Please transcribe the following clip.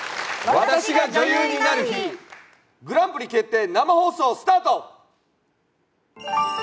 「『私が女優になる日＿』グランプリ決定、生放送スタート！